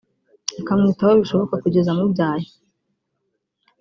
akamwitaho bishoboka kugeza amubyaye